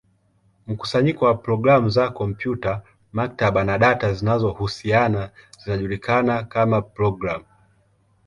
Mkusanyo wa programu za kompyuta, maktaba, na data zinazohusiana zinajulikana kama programu.